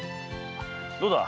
どうだ？